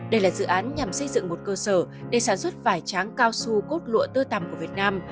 đây là dự án nhằm xây dựng một cơ sở để sản xuất vải tráng cao su cốt lụa tơ tầm của việt nam